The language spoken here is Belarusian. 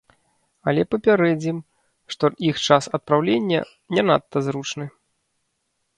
Але папярэдзім, што іх час адпраўлення не надта зручны.